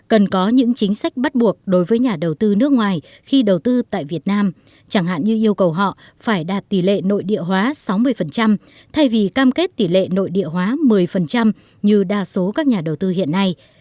cần có những chính sách bắt buộc đối với nhà đầu tư nước ngoài khi đầu tư tại việt nam chẳng hạn như yêu cầu họ phải đạt tỷ lệ nội địa hóa sáu mươi thay vì cam kết tỷ lệ nội địa hóa một mươi như đa số các nhà đầu tư hiện nay